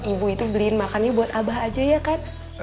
ibu itu beliin makannya buat abah aja ya kan